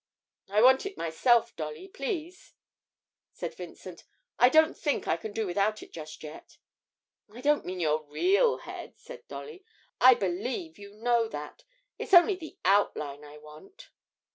'I want it, myself, Dolly, please,' said Vincent; 'I don't think I can do without it just yet.' 'I don't mean your real head,' said Dolly, 'I believe you know that it's only the outline I want!'